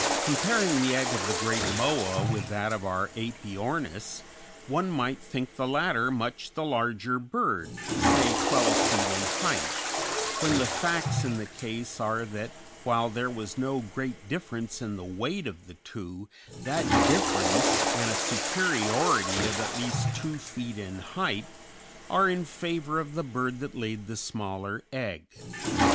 Comparing the egg of the great Moa with that of our Æpyornis one might think the latter much the larger bird, say twelve feet in height, when the facts in the case are that while there was no great difference in the weight of the two, that difference, and a superiority of at least two feet in height, are in favor of the bird that laid the smaller egg.